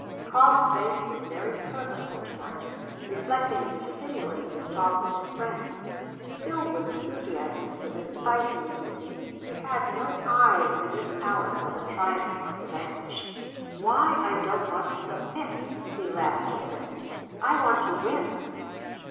Karl's face was very purposeful tonight, reflecting the stimulus of his talk with his friend. Filled with enthusiasm for this fight he was making, he had no eye in this hour for the triumph of the vanquished. "Why I don't want to submit," he laughed just then. "I want to win!"